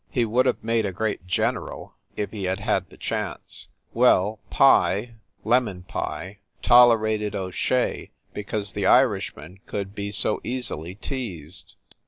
He would have made a great general, if he had had the chance. Well, Pye, "Lemon" Pye, tolerated O Shea, be cause the Irishman could be so easily teased.